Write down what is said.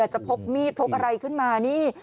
จะพกมีดพกอะไรขึ้นมานี่